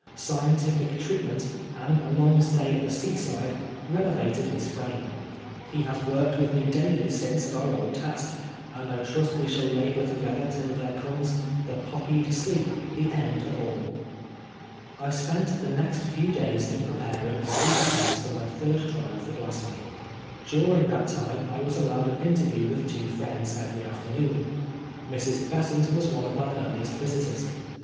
Scientific treatment, and a long stay at the seaside, renovated his frame. He has worked with me daily since at our old task, and I trust we shall labor together till there comes " The poppied sleep, the end of all." I spent the next few days in preparing a new de fence for my third trial for Blasphemy. During that time I was allowed an interview with two friends every afternoon. Mrs. Besant was one of my earliest visitors.